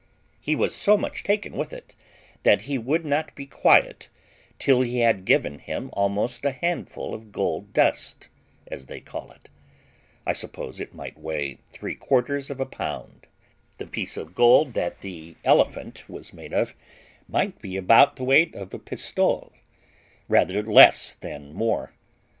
He was so much taken with it that he would not be quiet till he had given him almost a handful of gold dust, as they call it; I suppose it might weigh three quarters of a pound; the piece of gold that the elephant was made of might be about the weight of a pistole, rather less than more.